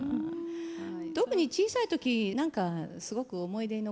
特に小さい時何かすごく思い出に残るとか